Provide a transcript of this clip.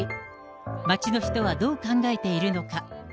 街の人はどう考えているのか。